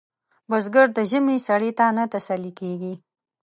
بزګر د ژمي سړې ته نه تسلېږي